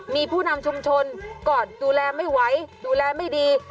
มีผู้นำชุมชนก่อนดูแลไม่ไหวดูแลไม่ดี